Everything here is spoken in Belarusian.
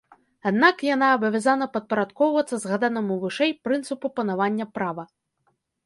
Аднак яна абавязана падпарадкоўвацца згаданаму вышэй прынцыпу панавання права.